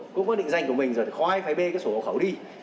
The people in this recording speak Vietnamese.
cũng có định danh của mình rồi thì khó ai phải bê cái sổ hộ khẩu đi